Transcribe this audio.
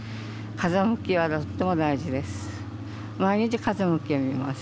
風向きはとっても大事です。